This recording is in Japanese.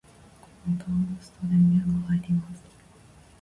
このボタンを押すと電源が入ります。